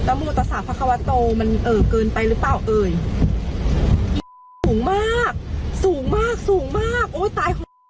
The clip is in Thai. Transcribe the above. มันเกินไปหรือเปล่าสูงมากสูงมากสูงมากโอ้ยตายตายโหงแล้วโอ้ย